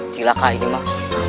cilaka ini mah